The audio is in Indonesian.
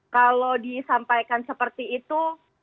kalau disampaikan seperti itu